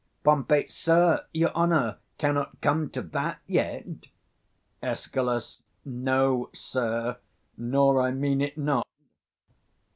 Pom. Sir, your honour cannot come to that yet. Escal. No, sir, nor I mean it not.